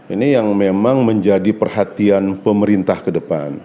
ini yang memang menjadi perhatian pemerintah kedepan